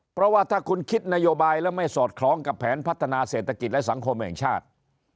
เพราะว่าถ้าคุณคิดนโยบายแล้วไม่สอดคล้องกับแผนพัฒนาเศรษฐกิจและสังคมแห่งชาติ